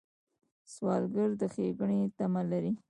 سوالګر د ښېګڼې تمه لري